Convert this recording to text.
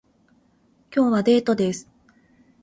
今日はデートです